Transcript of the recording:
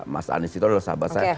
mas anies itu adalah sahabat saya